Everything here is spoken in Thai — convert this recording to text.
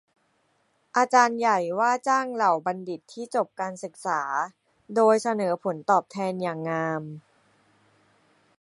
อาจารย์ใหญ่ว่าจ้างเหล่าบัณฑิตที่จบการศึกษาโดยเสนอผลตอบแทนอย่างงาม